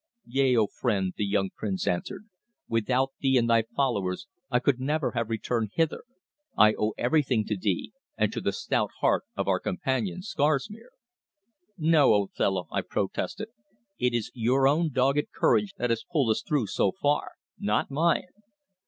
"Yea, O friend," the young prince answered. "Without thee and thy followers I could never have returned hither. I owe everything to thee, and to the stout heart of our companion Scarsmere." "No, old fellow," I protested. "It is your own dogged courage that has pulled us through so far, not mine.